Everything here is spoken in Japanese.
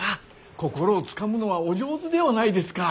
心をつかむのはお上手ではないですか。